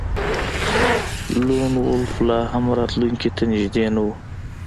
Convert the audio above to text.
لون وولف لاهم راتلونکي ته نږدې نه و